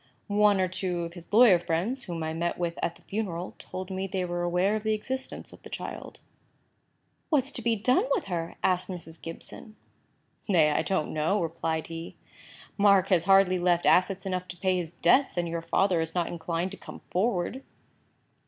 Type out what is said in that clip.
One or two of his lawyer friends, whom I met with at the funeral, told me they were aware of the existence of the child." "What is to be done with her?" asked Mrs. Gibson. "Nay, I don't know," replied he. "Mark has hardly left assets enough to pay his debts, and your father is not inclined to come forward."